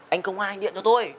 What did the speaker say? anh công an anh điện cho tôi